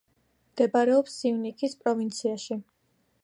მდებარეობს სიუნიქის პროვინციაში.